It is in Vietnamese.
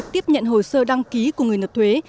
tiếp nhận hồ sơ đăng ký của người nộp thuế